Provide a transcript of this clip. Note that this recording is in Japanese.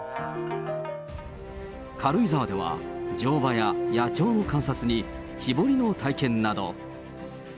軽井沢では、乗馬や野鳥の観察に木彫りの体験など。